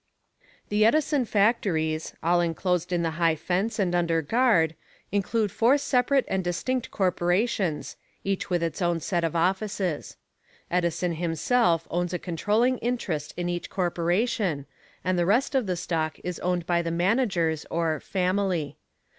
The Edison factories, all enclosed in the high fence and under guard, include four separate and distinct corporations, each with its own set of offices. Edison himself owns a controlling interest in each corporation, and the rest of the stock is owned by the managers or "family."